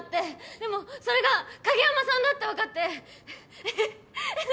でもそれが影山さんだってわかってえ何？